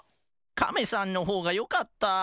カメさんのほうがよかった。